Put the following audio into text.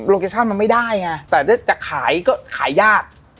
เคชั่นมันไม่ได้ไงแต่ถ้าจะขายก็ขายยาก